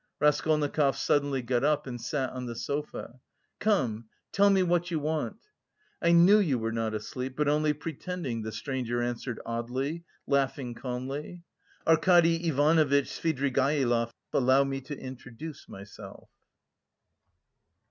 Raskolnikov suddenly got up and sat on the sofa. "Come, tell me what you want." "I knew you were not asleep, but only pretending," the stranger answered oddly, laughing calmly. "Arkady Ivanovitch Svidrigaïlov, allow me to introduce myself...."